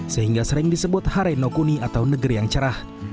sehingga sering disebut harenokuni atau negeri yang cerah